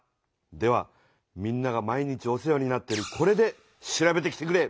ではみんなが毎日お世話になってるこれで調べてきてくれ。